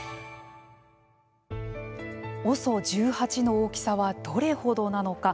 ＯＳＯ１８の大きさはどれほどなのか。